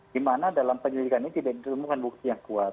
dimana dalam penyelidikan ini tidak ditemukan bukti yang kuat